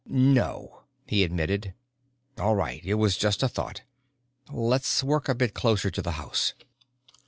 "No," he admitted. "All right, it was just a thought. Let's work a bit closer to the house."